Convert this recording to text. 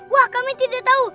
wah kami tidak tahu